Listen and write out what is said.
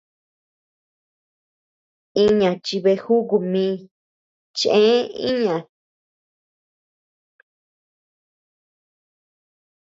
Iña chi beajuku mi cheë iña.